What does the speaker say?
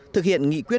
thực hiện nghị quyết